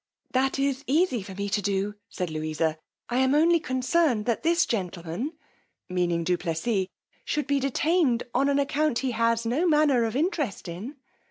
That is easy for me to do, said Louisa; I am only concerned that this gentleman, meaning du Plessis, should be detained on an account he has no manner of interest in.